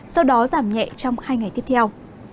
sau đó giảm nhẹ trong hai ngày tiếp theo